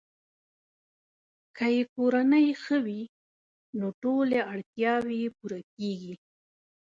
که یې کورنۍ ښه وي، نو ټولې اړتیاوې یې پوره کیږي.